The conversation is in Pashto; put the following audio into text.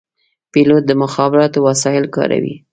پیلوټ د مخابراتو وسایل کاروي.